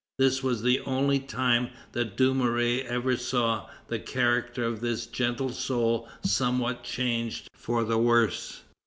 This was the only time that Dumouriez ever saw "the character of this gentle soul somewhat changed for the worse."